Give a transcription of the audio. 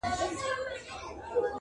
دا هوښیار چي دی له نورو حیوانانو,